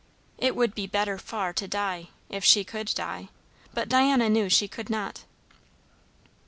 It would be better far to die, if she could die; but Diana knew she could not.